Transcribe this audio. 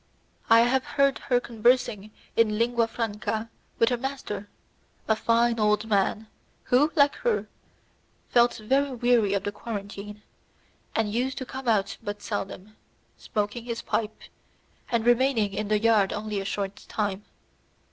I had heard her conversing in Lingua Franca with her master, a fine old man, who, like her, felt very weary of the quarantine, and used to come out but seldom, smoking his pipe, and remaining in the yard only a short time.